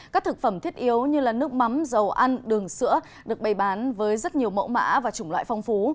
các thực phẩm thiết yếu như nước mắm dầu ăn đường sữa được bày bán với rất nhiều mẫu mã và chủng loại phong phú